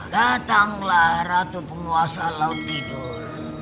datanglah ratu penguasa laut tidur